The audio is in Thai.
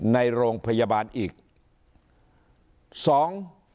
ในโรงพยาบาลอีกสอง